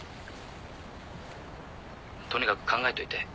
とにかく考えといて。